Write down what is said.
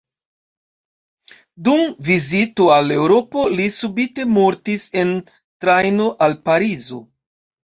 Dum vizito al Eŭropo li subite mortis en trajno al Parizo.